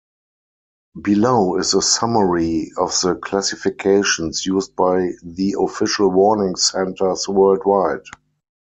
Below is a summary of the classifications used by the official warning centres worldwide.